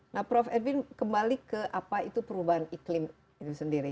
nah prof edwin kembali ke apa itu perubahan iklim itu sendiri